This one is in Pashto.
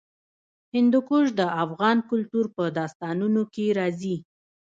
هندوکش د افغان کلتور په داستانونو کې راځي.